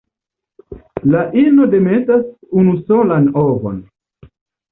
La ino demetas unusolan ovon.